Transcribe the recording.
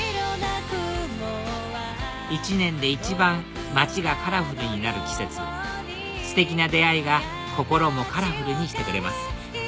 一年で一番街がカラフルになる季節ステキな出会いが心もカラフルにしてくれます